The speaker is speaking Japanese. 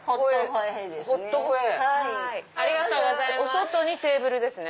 お外にテーブルですね。